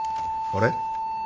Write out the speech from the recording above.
あれ？